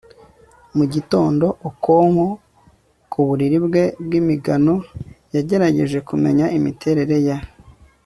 mu gitondo. okonkwo ku buriri bwe bw'imigano yagerageje kumenya imiterere ya